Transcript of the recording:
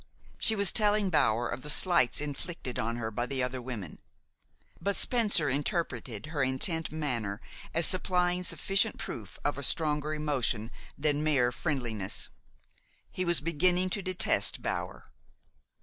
She was telling Bower of the slights inflicted on her by the other women; but Spencer interpreted her intent manner as supplying sufficient proof of a stronger emotion than mere friendliness. He was beginning to detest Bower.